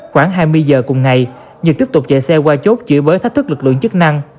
khoảng hai mươi giờ cùng ngày nhật tiếp tục chạy xe qua chốt chửi bới thách thức lực lượng chức năng